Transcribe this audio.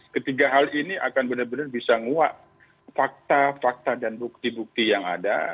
ketiga hal ini akan benar benar bisa nguak fakta fakta dan bukti bukti yang ada